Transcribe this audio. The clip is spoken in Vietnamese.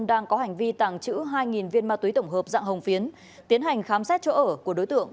đang có hành vi tàng trữ hai viên ma túy tổng hợp dạng hồng phiến tiến hành khám xét chỗ ở của đối tượng